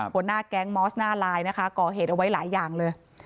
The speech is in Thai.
หัวหน้าแก๊งมอสหน้าไลน์นะคะก่อเหตุเอาไว้หลายอย่างเลย